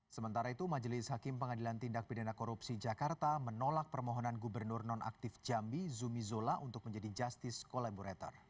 sementara itu majelis hakim pengadilan tindak pidana korupsi jakarta menolak permohonan gubernur nonaktif jambi zumi zola untuk menjadi justice collaborator